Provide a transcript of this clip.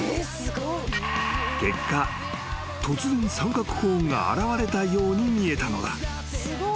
［結果突然三角コーンが現れたように見えたのだ］